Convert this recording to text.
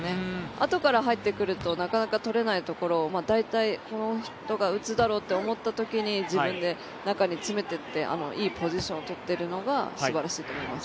あとから入ってくるとなかなかとれないところを大体、この人が打つだろというところで自分で中に詰めていっていいポジションとっているのがすばらしいと思います。